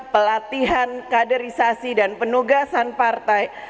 pelatihan kaderisasi dan penugasan partai